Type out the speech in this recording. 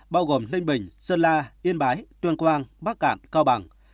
bao gồm ninh bình sơn la yên bái tuyên quang bắc cạn cao bằng